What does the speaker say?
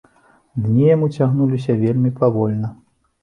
Дні яму цягнуліся вельмі павольна.